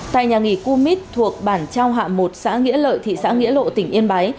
tại nhà nghỉ cú mít thuộc bản trao hạm một xã nghĩa lợi thị xã nghĩa lộ tỉnh yên bái